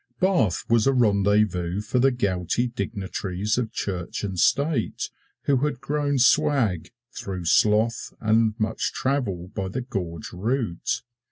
Bath was a rendezvous for the gouty dignitaries of Church and State who had grown swag through sloth and much travel by the gorge route.